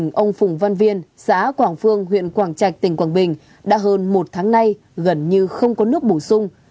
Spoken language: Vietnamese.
gia đình ông phùng văn viên xã quảng phương huyện quảng trạch tỉnh quảng bình đã hơn một tháng nay gần như không có nước bổ sung